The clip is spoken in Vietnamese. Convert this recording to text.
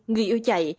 người yêu chạy